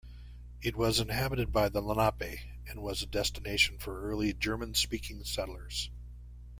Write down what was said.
It was inhabited by the Lenape and was a destination for early German-speaking settlers.